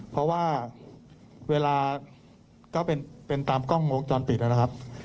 เพราะว่าเวลาก็เป็นตามกล้องวงจรปิดนะครับ